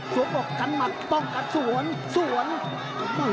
สวบอกกรรมักต้องกัดส่วนส่วน